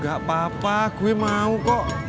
gak apa apa gue mau kok